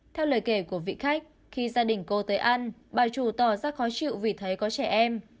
theo lời kể của vị khách khi gia đình cô tới ăn bà trù tỏ ra khó chịu vì thấy có trẻ em